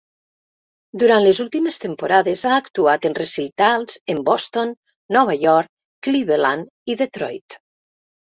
Durant les últimes temporades ha actuat en recitals en Boston, Nova York, Cleveland i Detroit.